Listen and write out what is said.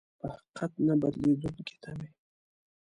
په حقيقت نه بدلېدونکې تمې.